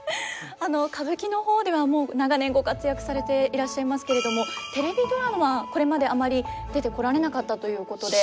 歌舞伎の方ではもう長年ご活躍されていらっしゃいますけれどもテレビドラマこれまであまり出てこられなかったということで。